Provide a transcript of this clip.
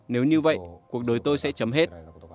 nếu như vậy cuộc đời tôi sẽ chấm hết